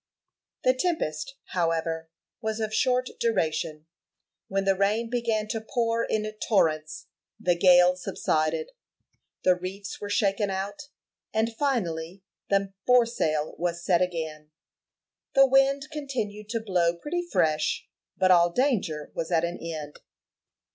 The tempest, however, was of short duration. When the rain began to pour in torrents, the gale subsided. The reefs were shaken out, and, finally, the foresail was set again. The wind continued to blow pretty fresh, but all danger was at an end.